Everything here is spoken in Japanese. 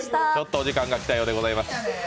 お時間が来たようでございます。